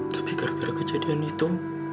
tapi gara gara kejadian itu